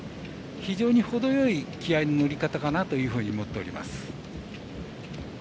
非常に程よい気合いの乗り方かなと思っています。